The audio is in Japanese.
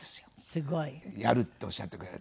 すごい！「やる」っておっしゃってくれて。